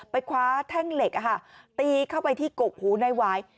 คว้าแท่งเหล็กตีเข้าไปที่กกหูในหวาย